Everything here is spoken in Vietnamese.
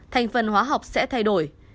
thành phần hóa học sẽ thay đổi